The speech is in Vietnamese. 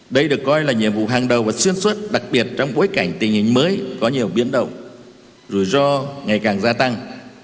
đây được coi là nhiệm vụ hàng đầu và xuyên suốt đặc biệt trong bối cảnh tình hình mới có nhiều biến động rủi ro ngày càng gia tăng